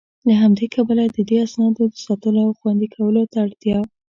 له همدي کبله د دې اسنادو د ساتلو او خوندي کولو ته اړتيا